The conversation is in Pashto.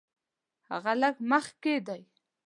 هغه لږ مخکې دی.